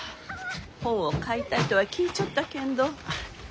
本を買いたいとは聞いちょったけんど。